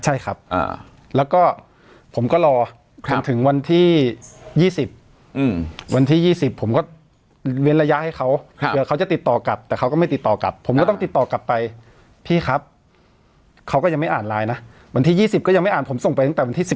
ใช่ครับแล้วก็ผมก็รอจนถึงวันที่๒๐วันที่๒๐ผมก็เว้นระยะให้เขาเผื่อเขาจะติดต่อกลับแต่เขาก็ไม่ติดต่อกลับผมก็ต้องติดต่อกลับไปพี่ครับเขาก็ยังไม่อ่านไลน์นะวันที่๒๐ก็ยังไม่อ่านผมส่งไปตั้งแต่วันที่๑๑